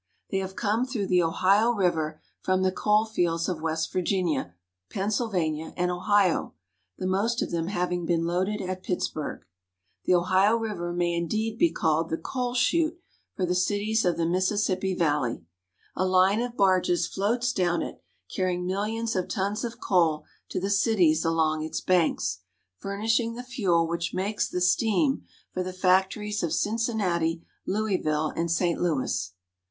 They have come through the Ohio River from the coal fields of West Virginia, Pennsylvania, and Ohio, the most of them having been loaded at Pitts burg. The Ohio River may indeed be called the coal 158 THE MISSISSIPPI. chute for the cities of the Mississippi Valley. A line of barges floats down it, carrying millions of tons of coal to the cities along its banks, furnishing the fuel which makes the steam for the factories of Cincinnati, Louisville, and St. Louis.